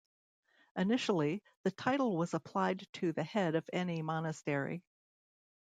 Initially the title was applied to the head of any monastery.